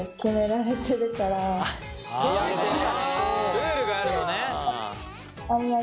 ルールがあるのね。